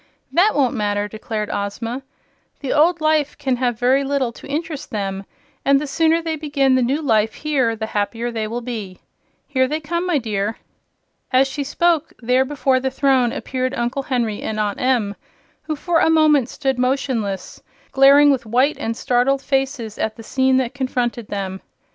"That won't matter," declared Ozma. "The old life can have very little to interest them, and the sooner they begin the new life here the happier they will be. Here they come, my dear!" As she spoke, there before the throne appeared Uncle Henry and Aunt Em, who for a moment stood motionless, glaring with white and startled faces at the scene that confronted them.